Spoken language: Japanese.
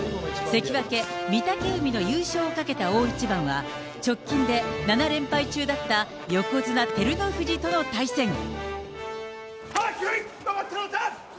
関脇・御嶽海の優勝をかけた大一番は、直近で７連敗中だった、横綱・照ノ富士との対戦。